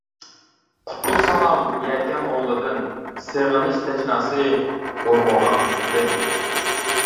قۇتلۇق سالام يەكەن ئوغلىدىن، سېغىنىش تەشناسى ئۇرغۇغان دىلدىن.